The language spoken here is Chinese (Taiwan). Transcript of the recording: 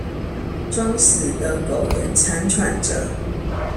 裝死的苟延慘喘著